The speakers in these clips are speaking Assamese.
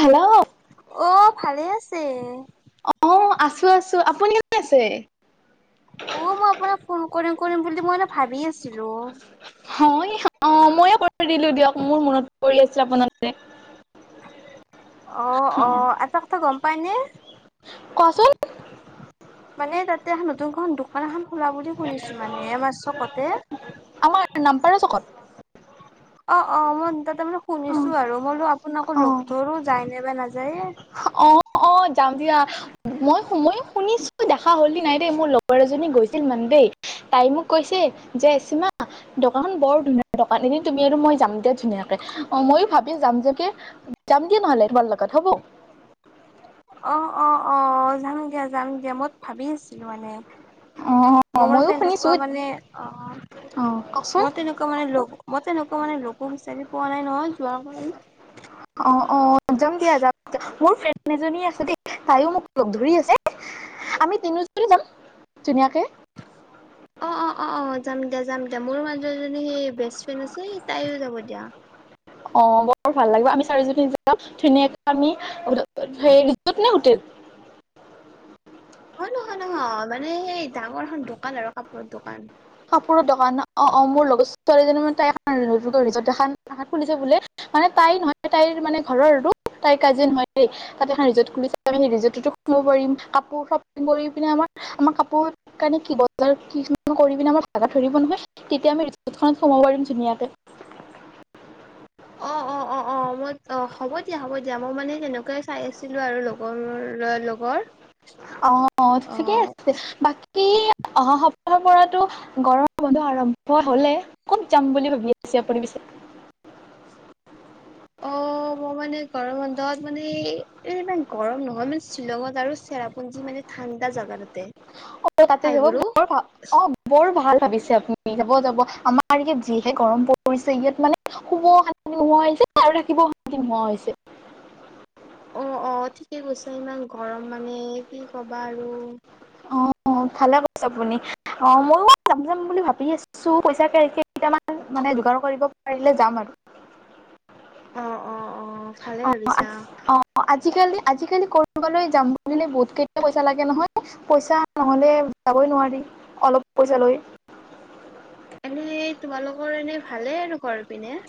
হেল্ল' অ, ভালে আছে। অ, আছো। আছো। আপুনি ক'ত আছে? অ, মই আপোনাক ফোন কৰিম কৰিম বুলি মই মানে ভাবি আছিলোঁ। হয় অ ময়ে কৰি দিলো দিয়ক। মোৰ মনত পৰি আছে আপোনালে। [inaudible] অ, অ। এটা কথা গম পাইনে? কোৱাচোন মানে তাতে এখন নতুনখন দোকান এখন খোলা বুলি শুনিছো মানে। আমাৰ চকতে। আমাৰ নামপাৰা [inaudible] অ, অ। মই তাতে মানে অ শুনিছোঁ আৰু। মই বুলো আপোনাকো অ লগ ধৰোঁ যায় নে বা নাযায়। অ। অ যাম দিয়া। মই সোম শুনিছো দেখা হলি নাই দেই। মোৰ লগৰ এজনী গৈছিল মানে দেই। তাই মোক কৈছে যে চিমা দোকানখন বৰ ধুনীয়া। দোকান এদিন তুমি আৰু মই যাম দিয়া ধুনীয়াকে। অ ময়ো ভাবিম যাম যে কি যাম দিয়া নহ'লে তোমাৰ লগত, হ'ব? অঁ-অঁ-অঁ। যাম দিয়া, যাম দিয়া। মই ভাবি আছিলোঁ মানে। অ মই মানে ময়ো শুনিছো তেনেকুৱা মানে অহ অ কওকচোন মই তে এনেকুৱা মানে লগ মই তেনেকুৱা মানে লগো বিচাৰি পোৱা নাই নহয় যোৱাৰ অ', অ', যাম দিয়া যাম দিয়া, মোৰ ফ্ৰেণ্ড এজনী আছে দেই। তাইয়ো মোক লগ ধৰি আছে আমি তিনিওজনী যাম ধুনীয়াকে। অ অ অ, যাম দিয়া। যাম দিয়া। মোৰ [unintelligible] এজনী সেই বেষ্ট ফ্ৰেণ্ড আছে তাইও যাব দিয়া। অ বৰ ভাল লাগিব আমি চাৰিজনী যাম ধুনীয়াকে আমি, সেই সেই ৰিজৰ্ট নে হোটেল? [inaudible] অ নহয়, নহয়। মানে সেই ডাঙৰ এখন দোকান আৰু কাপোৰৰ দোকান। কাপোৰৰ দোকান। অ, অ মোৰ লগত ছোৱালীজনী ম তাই [unintelligible] খুলিছে বোলে। মানে তাই নহয় তাইৰ মানে ঘৰৰ আৰু। তাইৰ কাজিন হয় দেই। তাত এখন ৰিজৰ্ট খুলিছে। আমি সেই ৰিজৰ্টতো সোমাব পাৰিম, কাপোৰ শ্বপিং কৰি পিনে আমাৰ আমাৰ কাপোৰ কাৰণে কি বজাৰ কিনো কৰিম। মাৰ ভাগাৰ ধৰিব নহয়, তেতিয়া আমি ৰিজৰ্ট খনত সোমাব পাৰিম ধুনীয়াকে। অ অ অ [inaudible] অ মই অ হ'ব দিয়া, হ'ব দিয়া। মই মানে হেনেকুৱাই চাই আছিলো আৰু লগৰ লগৰ অ, অ ঠিকে আছে। বাকী অহা সপ্তাহৰ পৰাটো গৰমৰ বন্ধ আৰম্ভ হলে। ক'ত যাম বুলি ভাবি আছে আপুনি পিছে? [inaudible] অ [inaudible] মই মানে গৰমবন্ধত মানে এ ইমান গৰম নহয় মানে শ্বিলঙত আৰু চেৰাপুঞ্জী মানে ঠান এটা জাগাদ আৰু। অ তাতে যাব বৰ ভা অ বৰ ভাল ভাবিছে আপুনি। যাবও যাব। আমাৰ ইয়াত যিহে গৰম পৰিছে ইয়াত মানে শুবও শান্তি নোহোৱা হৈছে আৰু থাকিব শুৱা শান্তি নোহোৱা হৈছে। অ, অ। ঠিকে কৈছা। ইমান গৰম মানে কি কবা আৰু অ ভালে কৰিছে আপুনি। অ, ময়ো যাম-যাম বুলি ভাবি আছো পইচাকেইটামান মানে যোগাৰ কৰিব পাৰিলে যাম আৰু। অ, অ, অ। ভালে অ', ভাবিছা, অহ। অ', আজিকালি আজিকালি কৰবালে যাম বুলিলে বহুত কেইটা পইচা লাগে নহয়। পইচা নহলে যাব অলপ পইচা লৈ এনে তোমালোকৰ এনে ভালেই আৰু ঘৰ পিনে?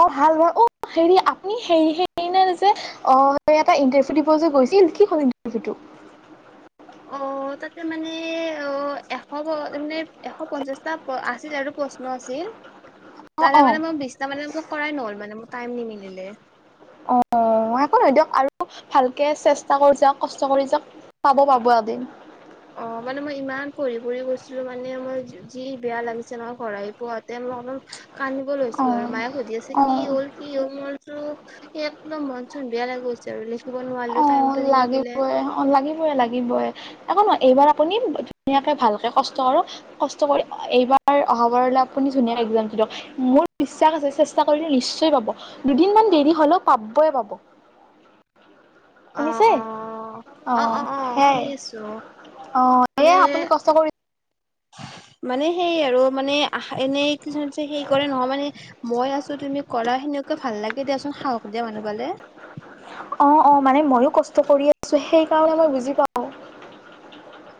অ ভাল ভাল অ হেৰি আপুনি হেৰি হে আপুনাৰ যে আ এটা এন্টেৰচিপ দিব যে গৈছিল কি হ'ল সেই ইন্টাৰচিপটো। অ' তাতে মানে অ এশ ব মানে এশ পঞ্চাশটা প্ৰ আছিল আৰু প্ৰশ্ন আছিল। অ', তাৰ অ', মানে মই বিছটা মানে ম কৰাই নহল মানে মোৰ টাইম নিমিলে। অ অ একো ন দিয়ক আৰু ভালকে চেষ্টা কৰি যাওওঁ কষ্ট কৰি যাওক চাব পাব এদিন। অ মানে মই ইমান পঢ়ি পঢ়ি গৈছিলো মানে মোৰ যি বেয়া লাগিছে মই ঘৰ আহি পাৱতে অলপ কান্দিব লৈছিলো আৰু অ', মায়ে সুধি আছে কি অ'। হ'ল কি হল মইত স একদম মন চন বেয়া লাগগৈছে আৰু দেই। অ লাগিবই অ লাগিবই লাগিবই একোনহয় এইবাৰ আপুনি ধুনীয়াকে ভালকে কষ্ট কৰক কষ্ট কৰি এইবাৰ অহাবাৰলৈ আপুনি ধুনিয়াকে একজাম টো দিয়ক। মোৰ বিশ্বাস আছে চেষ্টা কৰিলে নিশ্চয় পাব দুদিনমান দেৰি হলেও পাবই পাব অ' শুনিছে? অ অ' সেইয়াই শুনি আছো অ সেয়াই আপুনি এনে কষ্ট কৰি মানে সেই আৰু আৰু মানে আহ এনেই কিছুমান সে কৰে নহয়মানে মই আছো তুমি কৰা সেনেকুৱা ভাল লাগে দিয়াচোন সাহস দিয়া মানুহ পালে। অঁ অঁ মানে মইয়ো কষ্ট কৰি আছোঁ সেইকাৰণে মই বুজি পাওঁ।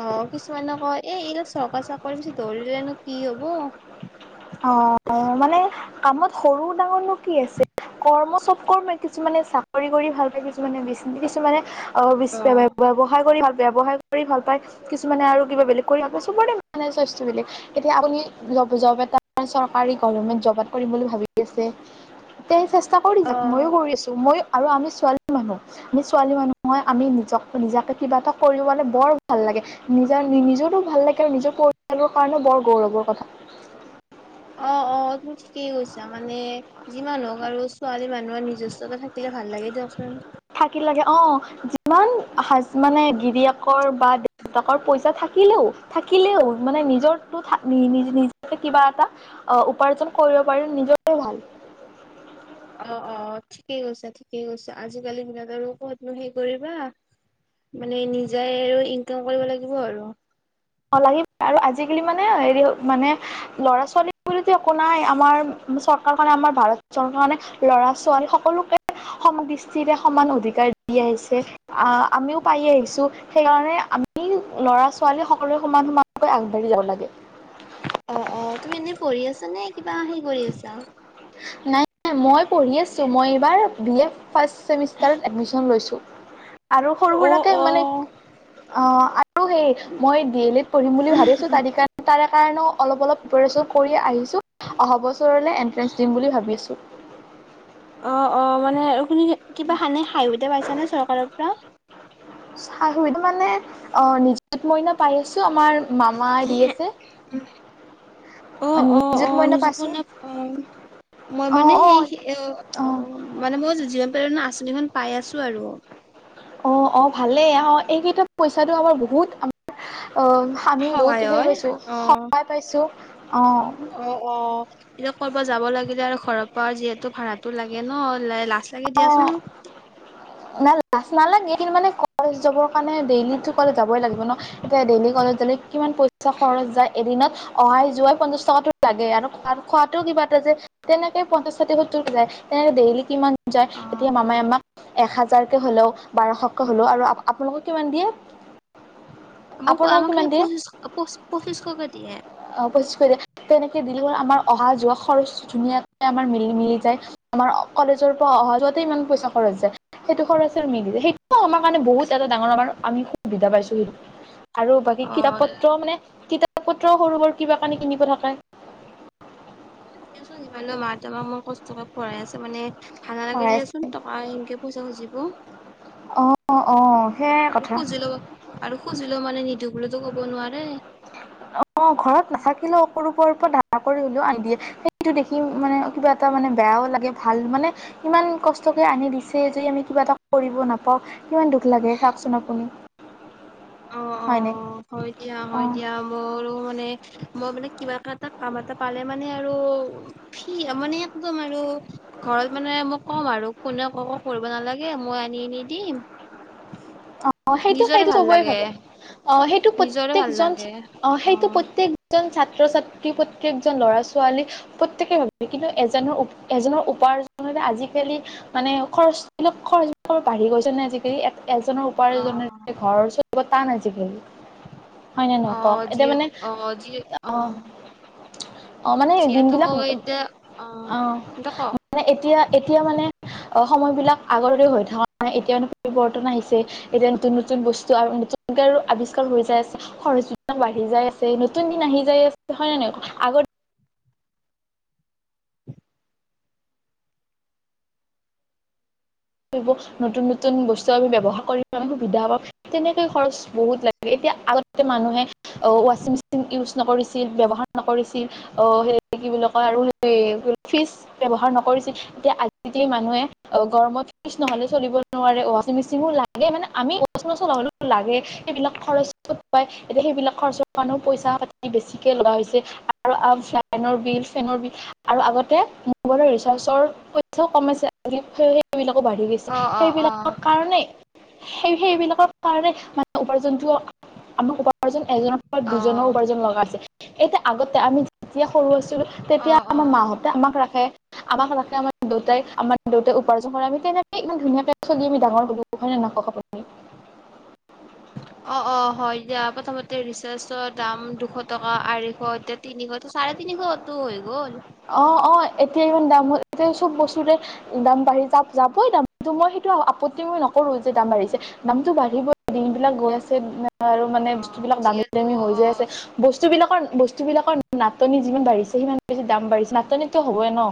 অ কিছুমানে কয় এ এইলাক চৰকা চাকৰি পিছত দৰিলেনো কি হব অ মানে কামত সৰু ডাঙৰনো কি আছে কৰ্ম চব কৰ্মে কিছুমানে চাকৰি কৰি ভাল পায় কিছুমানে বিচনেজ কিছুমানে অ বিছ ব্যৱসায় কৰি ভাল পায় ব্যৱসায় কৰি ভাল পায় কিছুমানে আৰু কিবা বেলেগ কৰি ভাল পায় চবৰে মানে স্বইচ বেলেগ। এতিয়া আপুনি টপ জব এটা চৰকাৰী গভমেণ্ট জবত কৰিম বুলি ভাবি আছে তেতিয়া সেই চাকৰি যাক মইয়ো কৰি আছো মইও আৰু আমি ছোৱালী মানুহ আমি ছোৱালী মানুহ হয় আমি নিজক নিজাকে কিবা এটা কৰিব পালে বৰ ভাল লাগে। নিজাৰ নিজৰো ভাল লাগে আৰু নিজৰ পৰিয়ালৰ কাৰণেও বৰ গৌৰৱৰ কথা। অ অ তোৰ ঠিকেই কৈছা মানে যিমানুহক আৰু ছোৱালী মানুহৰ নিজস্বতা থাকিলে ভাল লাগে দিয়কচোন। থাকি লাগে অ যিমান হাজ মানে গিৰিয়েকৰ বা দেউতাকৰ পইচা থাকে থাকিলেও থাকিলেও মানে নিজৰটো নি নিজ নিজ কিবা এটা উপাৰ্জন কৰিব পাৰি নিজৰে ভাল। অ অ ঠিকেই কৈছা ঠিকেই কৈছা আজিকালি দিনত নো আৰু কতনো হেৰি কৰিবা মানে নিজাই আৰু ইনকাম কৰিব লাগিব আৰু। অ লাগিব আৰু আজিকালি মানে হেৰি মানে ল'ৰা ছোৱালী বুলিটো একো নাই আমাৰ চৰকাৰ খনে আমাৰ ভাৰত চৰকাৰ খনে ল'ৰা ছোৱালী সকলোকে সম দৃষ্টিৰে সমান অধিকাৰ দি আহিছে আ আমিও পাই আহিছো সেইকাৰণে আমি লৰা ছোৱালী হক সকলৰে সমান সমানকৈ আগবাঢ়ি যাব লাগে। অ অ তুমি এনেই পঢ়ি আছা নে কিবা হে কৰি আছা? নাই মই পঢ়ি আছোঁ মই এইবাৰ বি এ ফাৰ্ষ্ট চেমিষ্টাৰত এডমিশ্যন লৈছোঁ। আৰু সৰু অ সুৰাকে মানে অ অ আৰু সেই মই ডি এল এত পঢ়িম বুলি ভাবিছো তাৰি কাৰ তাৰে কাৰণে অলপ অলপ পিপৰেচন কৰি আহিছো। অহাবছৰলে এণ্ট্ৰেঞ্চ দিম বুলি ভাবি আছোঁ। অ অ মানে শুনি কিবা সাই সুবিধা পাইছে নে চৰকাৰৰ পৰা চাহুইড মানে অ নিযুত মইনা পাই আছ তোমাৰ মামাই দি আছে। অ অ অ নিযুত আহ নিযুত পাইছোঁ মইনা অম মই মানে অ' অ' সেই অ অ মানে মই জি এ ম প্ৰেৰনা আচনিখন পাই আছো আৰু অ অ ভালেই আহ এইকেইটা পইচাটো আমাৰ বহুত আমাৰ অহ আমি সহায় বহুত হেৰি হয় পাইছোঁ অ সহায় পাইছোঁ অ অ অ এতিয়া ক'ৰবাত যাব লাগিলে আৰু ঘৰৰ পৰা আৰু যিহেতু ভাড়াটো লাগে ন লাইট লাছ লাগে অ' দিয়াচোন। কি মানে ক ত যাব কাৰণে ডেইলি কলে যাবই লাগিব ন এতিয়া ডেইলি কলেজ গলে কিমান পইচা খৰচ যায় এদিনত। অহাই যোৱাই পঞ্চাশ টকাতো লাগে আৰু খোৱা খোৱাটোও কিবা এটা যে তেনেকে পঞ্চাশ ষাঠি সত্তৰ যায় তেনেকে ডেইলি কিমান যায় অ এতিয়া মামাই আমাক এসাজ হাজাৰকৈ হ'লেও বাৰশকৈ হ'লেও আৰু আপোনালোকক কিমান দিয়ে মোক আপোনোক আমাক কিমান সেই দিয়ে পঁচিশ পঁচিশশকে দিয়ে অ পঁচিশ খ দিয়ে তেনেকে দি বুলি হ'ল আমাৰ অহা যোৱা খৰচ ধুনীয়াকে আমাৰ মিলি মিলি যায় আমাৰ অ কলেজ ৰ পৰা অহা যোৱাতে ইমান পইচা খৰচ যায়। সেইটো খৰচ মিলি যায় সেইটো আমাৰ কাৰণে বহুত এটা ডাঙৰ আমাৰ আমি সুবিধা পাইছো আৰু বাকী অ কিতাপ পত্ৰ মানে কিতাপ পত্ৰও সৰু সৰু কিবা কানি কিনিব থাকে। এতিয়া চোন ইমান মাহতে মই কষ্টকে পঢ়াই আছে মানে ভাল নালাগে পঢ়াই আছে দিয়াচোন টকা এনকে পইচা খুজিব। অ অ অ অ সেয়াই আৰু কথা খুজিলেও আৰু খুজিলেও মানে নিদো বুলিতো কব নোৱাৰে। অ ঘৰত নাথাকিলেও কবাৰ পৰা ধাৰ কৰি হলেও আনি দিয়ে সেইটো দেখি মানে কিবা এটা মানে বেয়াও লাগে ভাল মানে ইমান কষ্টকে আনি দিছে যদি আমি কিবা এটা কৰিব নাপাওঁ। কিমান দুখ লাগে চাওকচোন আপুনি। অ অ হয়নে হয় দিয়া অ হয় দিয়া। আৰু মানে মই মানে কিবা এটা কাম এটা পালে মানে আৰু সি মানে কম আৰু ঘৰত মানে মই ক'ম আৰু কোনে একো কৰিব নালাগে মই আনি আনি দিম [inaudible] অ সেইটো নিজৰে সেইটো ভাল চবেই লাগে ভাবে অ সেইটো নিজৰে ভাল প্ৰত্যয়েকজন লাগে অ সেইটো প্ৰত্যেকজন ছা ছাত্ৰ ছাত্ৰী প্ৰত্যেকজন ল'ৰা ছোৱালী প্ৰত্যেকেই ভাবে কিন্তু এজনৰ উপ এজনৰ উপাৰ্জ আজিকালি মানে খৰচবিলাক খৰচবোৰ বাঢ়ি গৈছে নে আজিকালি এট এজ অ', উপাৰ্জনৰে ঘৰৰ চলা টান আজি কালি। হয় নে নহয় কওঁক? অ', এতিয়া যিহেত মানে অ', যি অ', অহ। অ মানে যিহেতু দিনবিলাক মোক এতিয়া অ এতিয়া কওক? মানে এতিয়া এতিয়া মানে অ সময় বিলাক আগৰ‌ দৰে হৈ থকা নাই এতিয়া মানে পৰিৱৰ্তন আহিছে। এতিয়া নতুন নতুন বস্তু নতুন আৱিষ্কাৰ হৈ যাই আছে খৰচ যোগান বাঢ়ি যাই আছে। নতুন দিন আহি যাই আছে হয় নে নাই আগত [inaudible] নতুন নতুন বস্তু আমি ব্যৱহাৰ কৰি আমি সুবিধা পাাম তেনেকে খৰচ বহুত লাগে। এতিয়া আগতে মানুহে ৱাচিং মেচিন ইউজ নকৰিছিল ব্যৱহাৰ নকৰিছিল অ সেই কি বুলি কয় আৰু সেই ফ্ৰিজ ব্যৱহাৰ নকৰিছিল তেতিয়া আজিকালি মানুহে গৰমত নহ'লে চলিব নোৱাৰে ৱাচিং মেচিনো লাগে মানে আমি ৱাচিং মেচিন নচলোৱা হ'লেও লাগে সেইবিলাক খৰচ এতিয়া সেইবিলাক খৰচৰ কাৰণেও পইচা পাতি বেছিকে লগা হৈছে আৰু আৰু‌লাইনৰ বিল বিল ফেনৰ বিল আৰু আগতে মোৰ ৰিচাৰ্চৰ বহুত‌ সম্যস্যা আছিল। সেইবিলাকো বাঢ়ি গৈছে অ', অ', সেইবিলাকৰ অ', কাৰণেই সেই সেইবিলাকৰ কাৰণে মানে উপাৰ্জনটো আম উপাৰ্ উপাৰ্জন এজনৰ পৰা দুজনৰ অ', উপাৰ্জন লগা আছে এতিয়া আগতে আমি যেতিয়া সৰু আছিলো তেতিয়া অ', আমাৰ অ', মাহতে আমাক ৰাখে আমাক ৰাখে আমাৰ দেউতাই আমাৰ দেউতাই উপাৰ্জন কৰা আমি তেনেকে ইমান ধুনীয়াকে চলি আমি ডাঙৰ হলো হয় নে নহয় [unintelligible] [inaudible] অ', -অ', হয় দিয়া প্ৰথমতে ৰিছাৰ্চৰ দাম দুশ টকা, আঢ়ৈশ, এতিয়া তিনিশ, এতিয়া চাৰে তিনি তিনিশটো হৈ গ'ল। অহ - অহ এতিয়া ইমান দাম হ'ল এতিয়া চব বস্তুৰে দাম বাঢ়ি যাব -যাবই দাম তো মই তেয় আপত্তি মই নকৰো যে দাম বাঢ়িছে দামটো বাঢ়িবই দিনবিলাক গৈ আছে দিনে আৰু মানে বস্তু অ', বিলাক দামি যিহেতু -দামি হৈ যাই আছে অ', বস্তু বিলাকৰ বস্তু বিলাকৰ নাটনি যিমান বাঢ়িছে সিমান বেছি দাম বাঢ়িছে নাটনিটো হ'বই ন'।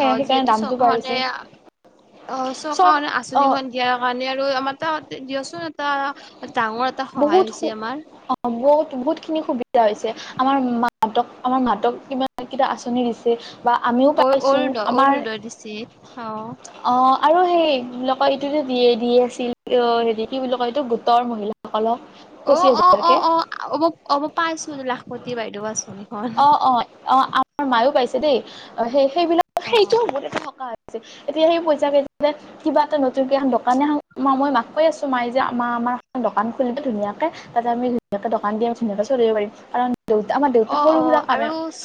অহ, সেইকাৰণে যিহেতু দামটো চৰকাৰখনে বাঢ়িছে এয়া অহ, চৰ চৰকাৰ খনে অ', আঁচনিখন দিয়াৰ কাৰণে আৰু আমাৰ [unintelligible] দিয়চোন এটা ডাঙৰ এটা সহায় বহুত হৈছি অ', আমাৰ। বহুত খিনি সুবিধা হৈছে আমাৰ মাহতক আমাৰ মাহতক কিমান কেটা আঁচনি দিছে। বা আমিও অ', পাইছো অৰুণোদয় আমাৰ অৰুণোদয় দিছে। অ', অহ। আৰু সেই বুলি কয় এইটোযে দিয়ে দি আছিল ইয় হেৰি কি বুলি কয় এইটোক গোটৰ মহিলাসকলক। অ', পঁচিছ - অ', - হাজাৰকে অ', -অ', অব পাইছো লাখমতি বাইদেউ বাচ। অহ - অহ-অহ আমাৰ মাইও পাইছে দেই অ', সেই -সেইবিলাক অ', সেইটোও বহুত এটা থকা এতিয়া সেই পইচা কেইটা কিবা এটা নতুনকে দকান এখন [unintelligible] মই মাক কৈ আছো মাই যে আমাৰ আমাৰ এখন দকান খুলি দিওঁ ধুনীয়াকে তাতে আমি ধুনীয়াকে দোকান দি আৰু ধুনীয়াকে চলিব পাৰিম কাৰণ আমাৰ দেউতা অহ সৰু -অহ সুৰা কামে আৰুচ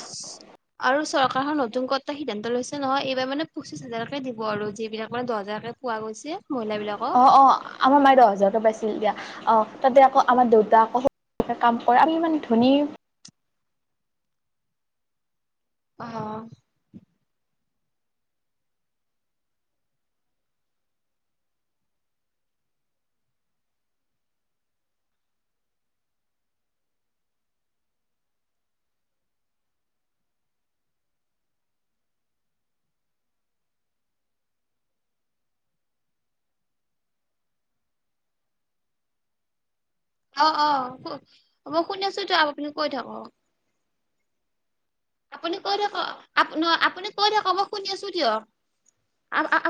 আৰু চক চৰকাৰ খনে নতুনকৈ এটা সিদ্ধান্ত লৈছে নহয় এইবাৰ মানে পঁচিছ হাজাৰকে দিব আৰু যিবিলাক মানে দহ হাজাৰকে পোৱা গৈছে। মহিলাবিলাকক অহ - অহ আমাৰ মাই দহ হাজাৰটো পাইছিল দিয়া। অহ, তাতে আকৌ আমাৰ দেউতা আকৌ [unintelligible] কাম কৰে আৰুইমান ধনী। অহ ', অহ-অহ মই শুনি আছো তো আপুনি কৈ থাকক। আপুনি কৈ থাকক নহয় আপুনি কৈ থাকক মই শুনি আছো দিয়ক। [unintelligible]